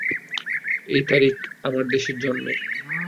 এই তারিখ আমার দেশের জন্মের।